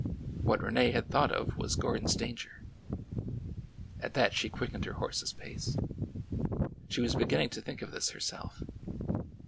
What Rene had thought of was Gordon's danger. At that she quickened her hocse's pace. She was be ginning to think of this herself.